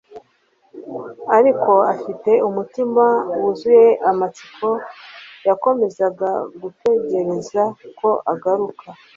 ; ariko afite umutima wuzuye amatsiko, yakomezaga gutegereza ko agaruka.